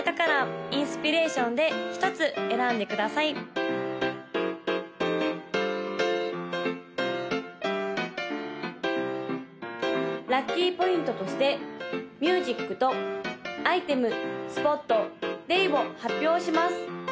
・赤色紫色黄色青色の・ラッキーポイントとしてミュージックとアイテムスポットデイを発表します！